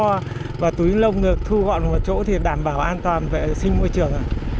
thả túi lông được thu gom lại một chỗ thì đảm bảo an toàn vệ sinh môi trường